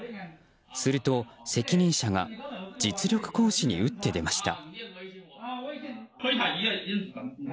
すると責任者が実力行使に打って出ました。